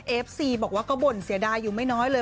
เอฟซีบอกว่าก็บ่นเสียดายอยู่ไม่น้อยเลย